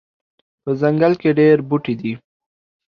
په ځنګل کې ډیر بوټي دي